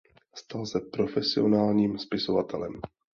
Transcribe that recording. Stal se profesionálním spisovatelem.